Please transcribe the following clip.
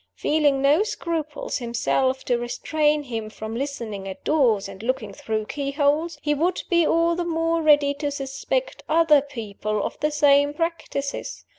Feeling no scruples himself to restrain him from listening at doors and looking through keyholes, he would be all the more ready to suspect other people of the same practices.